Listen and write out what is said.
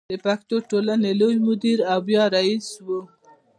د پښتو ټولنې لوی مدیر او بیا رئیس و.